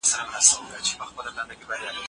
تاسو باید تل د حقایقو په لاره کې ثابت قدم اوسئ.